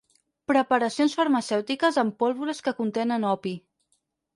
Preparacions farmacèutiques en pólvores que contenen opi.